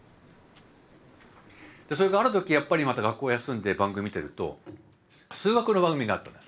それからある時やっぱりまた学校を休んで番組見てると数学の番組だったんです。